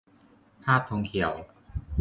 ภาพธงเขียว